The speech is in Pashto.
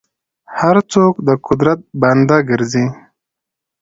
هر څوک د قدرت بنده ګرځي.